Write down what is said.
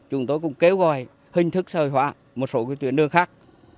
chúng tôi cũng kêu gọi hình thức sở hội hóa một số tuyến đường khác